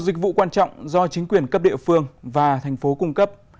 dịch vụ quan trọng do chính quyền cấp địa phương và thành phố cung cấp